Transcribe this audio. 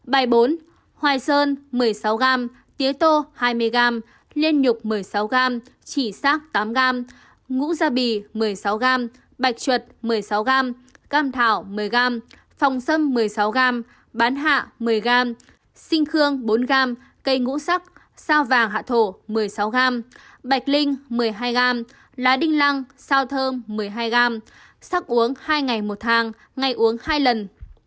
bài bốn hoài sơn một mươi sáu g tía tô hai mươi g liên nhục một mươi sáu g chỉ sắc tám g ngũ gia bì một mươi sáu g bạch chuột một mươi sáu g cam thảo một mươi g phòng xâm một mươi sáu g bán hạ một mươi g xinh khương bốn g cây ngũ sắc sao vàng hạ thổ một mươi sáu g bạch linh một mươi hai g lá đinh lăng sao thơm một mươi hai g sắc uống hai ngày một thang ngày uống hai lần